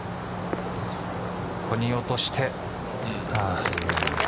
ここに落として。